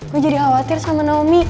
gue jadi khawatir sama nomi